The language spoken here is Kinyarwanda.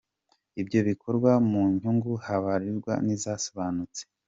Ibyo bigakorwa mu nyungu baharanira zidasobanutse.